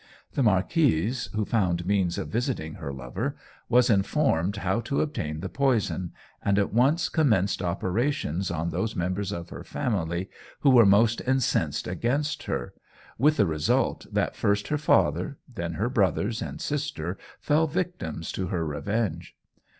The marquise, who found means of visiting her lover, was informed how to obtain the poison, and at once commenced operations on those members of her family who were most incensed against her, with the result, that first her father, then her brothers and sister fell victims to her revenge.